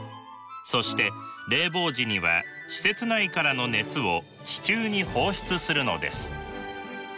そして冷房時には施設内からの熱を地中に放出するのです。